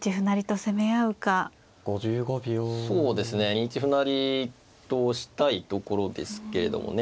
２一歩成としたいところですけれどもね。